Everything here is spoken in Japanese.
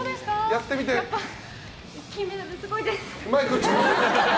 やっぱり金メダルすごいです。